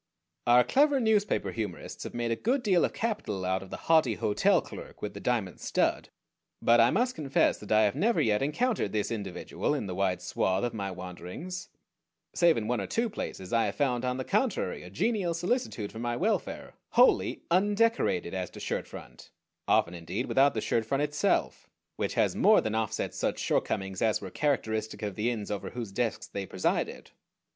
Our clever newspaper humorists have made a good deal of capital out of the haughty hotel clerk with the diamond stud; but I must confess that I have never yet encountered this individual in the wide swath of my wanderings. Save in one or two places, I have found on the contrary a genial solicitude for my welfare, wholly undecorated as to shirt front often indeed without the shirt front itself which has more than offset such shortcomings as were characteristic of the inns over whose desks they presided.